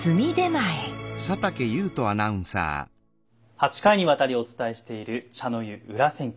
８回にわたりお伝えしている「茶の湯裏千家」。